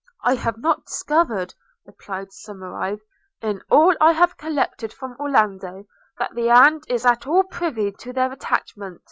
'I have not discovered,' replied Somerive, 'in all I have collected from Orlando, that the aunt is at all privy to their attachment.